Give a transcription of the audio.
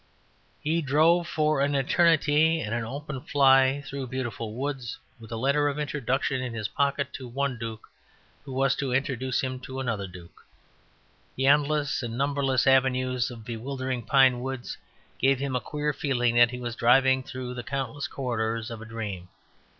He drove for an eternity in an open fly through beautiful woods, with a letter of introduction in his pocket to one duke, who was to introduce him to another duke. The endless and numberless avenues of bewildering pine woods gave him a queer feeling that he was driving through the countless corridors of a dream.